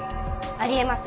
あり得ます。